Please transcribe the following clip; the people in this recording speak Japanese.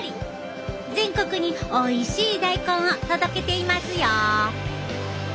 全国においしい大根を届けていますよ。